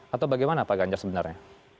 atau bagaimana pak ganjar sebenarnya